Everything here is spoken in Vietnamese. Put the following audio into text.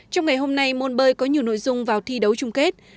trong ngày hôm nay môn bơi có nhiều nội dung vào thi đấu chung kết